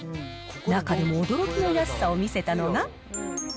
中でも驚きの安さを見せたのが。